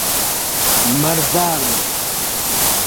malvarme